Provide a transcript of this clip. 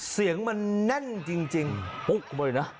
เสียงมันนั่นจริงปุ๊บไปนะ